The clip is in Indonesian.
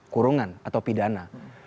kurungan atau pidana